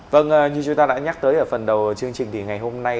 vâng như chúng ta đã nhắc tới ở phần đầu chương trình thì ngày hôm nay